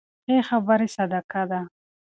ښې خبرې صدقه ده.